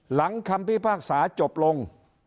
หลังคำพิพากษาจบลง